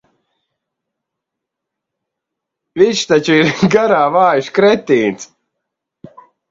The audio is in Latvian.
Viņš taču ir garā vājš kretīns.